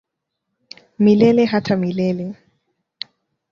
Milele hata milele.